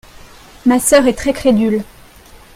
Ma sœur est très crédule.